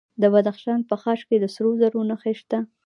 د بدخشان په خاش کې د سرو زرو نښې شته.